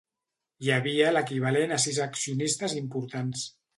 Hi havia l'equivalent a sis accionistes importants.